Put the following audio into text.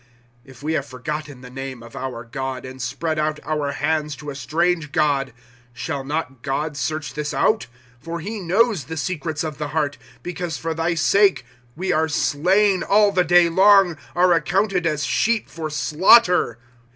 ^^ If we have forgotten the name of our God, And spread out our hands to a strange god ;*' Shall not Grod search this out ? For he knows the secrets of the heart. ^^ Because for thy sake we are slain all the day long. Are accounted as sheep for slaughter.